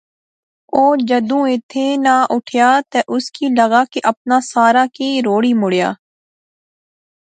او جدوں ایتھِیں ناں اٹھیا تہ اس کی لغا کہ اپنا سارا کی روڑی مڑیا